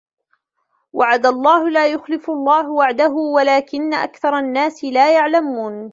وعد الله لا يخلف الله وعده ولكن أكثر الناس لا يعلمون